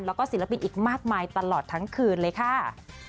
แล้วก็ศิลปินอีกมากมายตลอดทั้งคืนเลยค่ะ